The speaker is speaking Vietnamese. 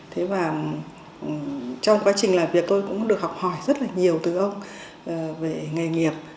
thế và trong quá trình làm việc tôi cũng được học hỏi rất là nhiều từ ông về nghề nghiệp